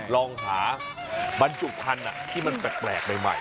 ลองหาบรรจุพันธุ์ที่มันแปลกใหม่